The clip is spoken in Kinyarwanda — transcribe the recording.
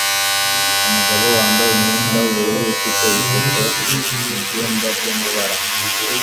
Umugabo wambaye umwenda wubururu ufite ifoto mubyumba byamabara